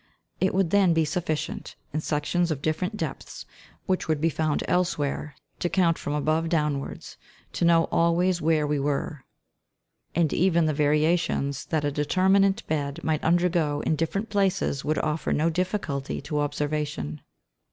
It would then be sufficient, in sections of different depths which would be found elsewhere, to count from above downwards, to know always where we were, and even the variations that a determinate bed might undergo in different places would offer no difficulty to observation.